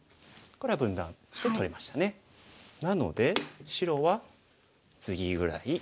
なので白はツギぐらい。